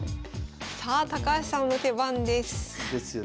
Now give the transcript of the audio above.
さあ高橋さんの手番です。ですよね。